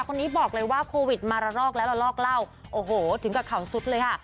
คนนี้บอกเลยว่าโควิดมาระลอกแล้วละลอกเล่าโอ้โหถึงกับข่าวสุดเลยค่ะ